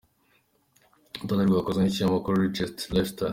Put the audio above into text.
Uru rutonde rwakozwe n’ikinyamakuru Richest Lifestyle.